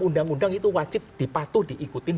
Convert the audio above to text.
undang undang itu wajib dipatuh diikutin